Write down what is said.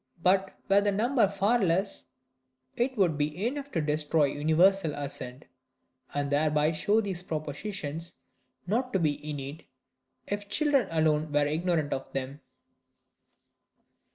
But were the number far less, it would be enough to destroy universal assent, and thereby show these propositions not to be innate, if children alone were ignorant of them.